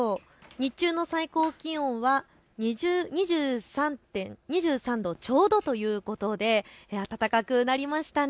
日中の最高気温は２３度ちょうどということで暖かくなりましたね。